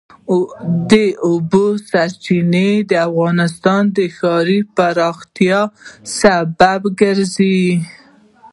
د اوبو سرچینې د افغانستان د ښاري پراختیا سبب کېږي.